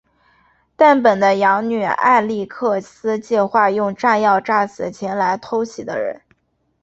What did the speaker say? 但本的养女艾莉克斯计划用炸药杀死前来偷袭的人。